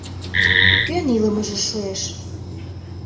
Кӧн илымыже шуэш?